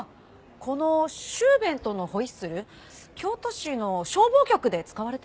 このシューベントのホイッスル京都市の消防局で使われてましたよ。